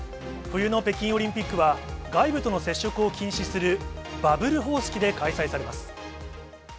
冬の北京オリンピックは、外部との接触を禁止するバブル方式で開催されます。